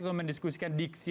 untuk mendiskusikan diksi